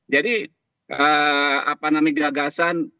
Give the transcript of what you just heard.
jadi apa namanya gagasan